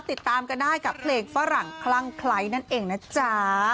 ติดตามกันได้กับเพลงฝรั่งคลั่งไคร้นั่นเองนะจ๊ะ